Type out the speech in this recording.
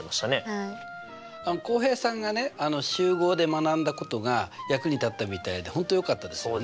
浩平さんがね集合で学んだことが役に立ったみたいで本当よかったですよね。